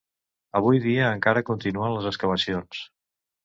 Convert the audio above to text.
Avui dia encara continuen les excavacions.